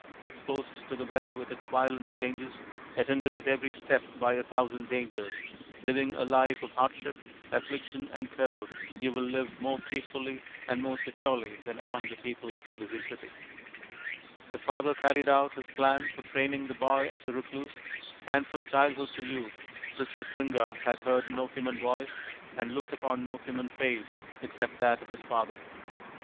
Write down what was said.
Exposed to the weather with its violent changes, attended at every step by a thousand dangers, living a life of hardship, affliction, and peril, you will live more peacefully and more securely than amon the people of a busy city/ " The father carried out his plan for training the boy as a recluse, and from childhood to youth Rishyas ringa had heard no human voice, and looked upon no human face, except that of his father.